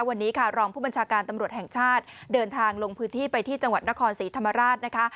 วันนี้ค่ะรองผู้บัญชาการตำรวจแห่งชาติเดินทางลงพื้นที่ไปที่จังหวัดนครศรีธรรมราชนะคะ